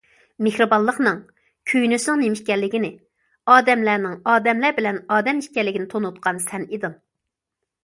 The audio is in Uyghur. مېھرىبانلىقنىڭ، كۆيۈنۈشنىڭ نېمە ئىكەنلىكىنى، ئادەملەرنىڭ ئادەملەر بىلەن ئادەم ئىكەنلىكىنى تونۇتقان سەن ئىدىڭ.